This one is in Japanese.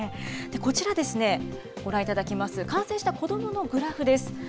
こちら、ご覧いただきます、感染した子どものグラフです。